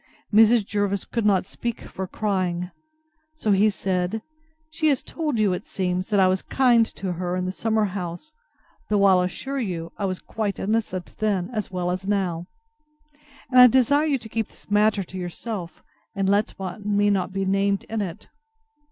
Mrs. Jervis could not speak for crying. So he said, She has told you, it seems, that I was kind to her in the summer house, though I'll assure you, I was quite innocent then as well as now; and I desire you to keep this matter to yourself, and let me not be named in it.